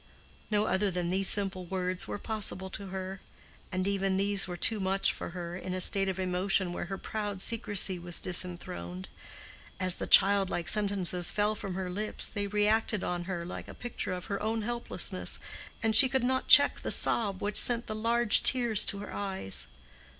No other than these simple words were possible to her; and even these were too much for her in a state of emotion where her proud secrecy was disenthroned: as the childlike sentences fell from her lips they reacted on her like a picture of her own helplessness, and she could not check the sob which sent the large tears to her eyes.